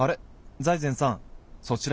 財前さんそちらは？